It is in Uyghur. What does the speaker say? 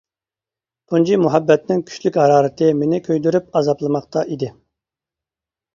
تۇنجى مۇھەببەتنىڭ كۈچلۈك ھارارىتى مېنى كۆيدۈرۈپ ئازابلىماقتا ئىدى.